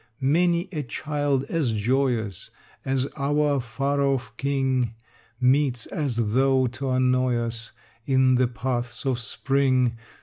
Many a child as joyous As our far off king Meets as though to annoy us In the paths of spring.